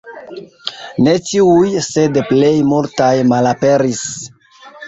Ne ĉiuj, sed plej multaj malaperis.